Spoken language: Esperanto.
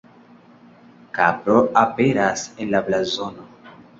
Kapro aperas en la blazono.